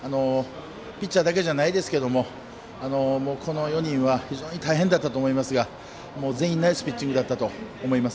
ピッチャーだけじゃないですがこの４人は非常に大変だったと思いますが全員、ナイスピッチングだったと思います。